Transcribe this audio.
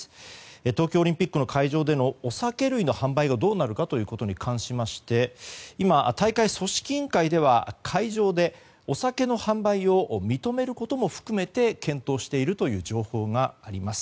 東京オリンピックの会場でのお酒類の販売がどうなるかということに関しまして今、大会組織委員会では会場でお酒の販売を認めることも含めて検討している情報があります。